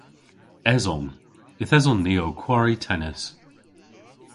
Eson. Yth eson ni ow kwari tennis.